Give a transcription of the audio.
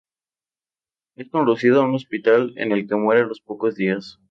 Es conducido a un hospital en el que muere a los pocos días.